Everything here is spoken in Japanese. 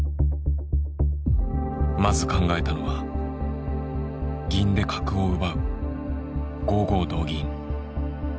まず考えたのは銀で角を奪う５五同銀。